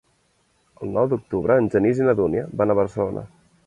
El nou d'octubre en Genís i na Dúnia van a Barcelona.